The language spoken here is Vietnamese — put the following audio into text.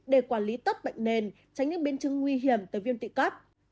để quản lý tất bệnh nền tránh những biên chứng nguy hiểm tới viên tụy cấp